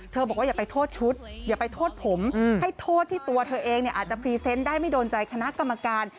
บอกว่าอย่าไปโทษชุดอย่าไปโทษผมให้โทษที่ตัวเธอเองอาจจะพรีเซนต์ได้ไม่โดนใจคณะกรรมการ